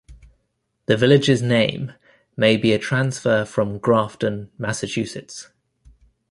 The village's name may be a transfer from Grafton, Massachusetts.